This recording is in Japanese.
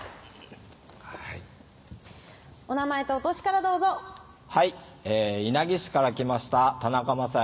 お名前とお歳からどうぞはい稲城市から来ました田中雅也